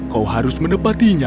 kau harus menepatinya